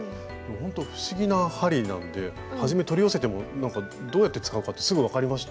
ほんと不思議な針なんではじめ取り寄せてもなんかどうやって使うかってすぐ分かりました？